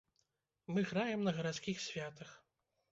Мы граем на гарадскіх святах.